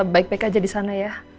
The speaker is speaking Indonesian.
baik baik aja di sana ya